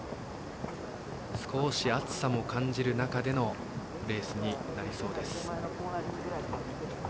少し暑さも感じる中でのレースになりそうです。